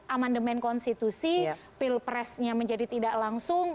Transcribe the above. amandemen konstitusi pilpresnya menjadi tidak langsung